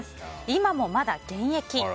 今もまだ現役。